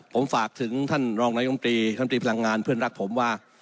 ผมฝากถึงท่านรองนายมตรีท่านตรีพลังงานเพื่อนรักผมว่า